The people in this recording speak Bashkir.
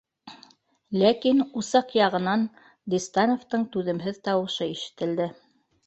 Ләкин усаҡ яғынан Диста- новтың түҙемһеҙ тауышы ишетелде: